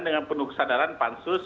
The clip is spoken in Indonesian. dengan penuh kesadaran pansus